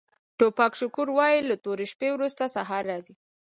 ټوپاک شاکور وایي له تورې شپې وروسته سهار راځي.